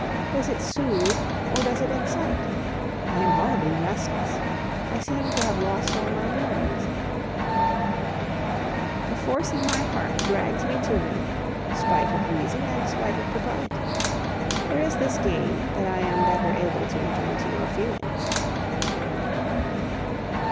Does it soothe, or does it excite? I am horribly restless; I seem to have lost all my bearings; a force in my heart drags me to him, spite of reason and spite of propriety. There is this gain, that I am better able to enter into your feelings.